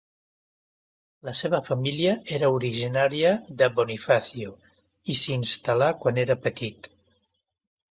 La seva família era originària de Bonifacio, i s'hi instal·là quan era petit.